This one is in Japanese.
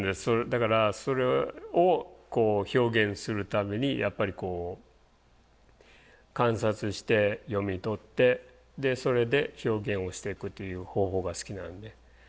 だからそれをこう表現するためにやっぱりこう観察して読み取ってそれで表現をしていくという方法が好きなんで。